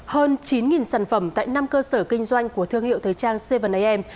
hơn chín sản phẩm tại năm cơ sở kinh doanh của thương hiệu thời trang bảy am